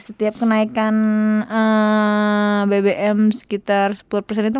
setiap kenaikan bbm sekitar sepuluh persen itu